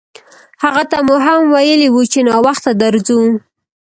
هغه ته مو هم ویلي وو چې ناوخته درځو.